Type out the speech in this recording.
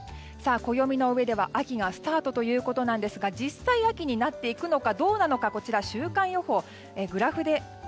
暦の上では秋がスタートということですが実際、秋になっていくのかどうかこちら、週間の予想